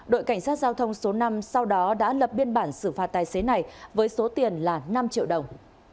đội cảnh sát giao thông số năm sau đó đã lập biên bản xử phạt tài xế này với số tiền là năm triệu đồng